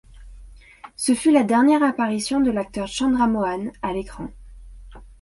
Ce fut la dernière apparition de l'acteur Chandra Mohan à l'écran.